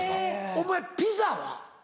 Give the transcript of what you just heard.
お前ピザは？